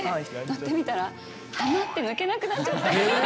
乗ってみたら、はまって抜けなくなっちゃって。